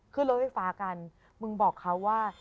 รถไฟฟ้ากันมึงบอกเขาว่า